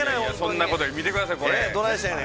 ◆そんなことより、見てください、これ。